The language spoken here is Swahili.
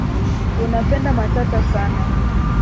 Unapenda matata sana.